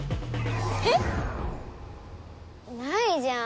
えっ？ないじゃん。